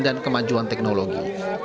dan kemajuan teknologi